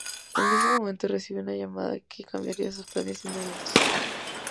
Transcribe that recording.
En ese momento recibió una llamada que cambiaría sus planes inmediatos.